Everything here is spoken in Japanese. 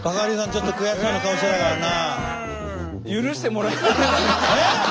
ちょっと悔しそうな顔してたからな。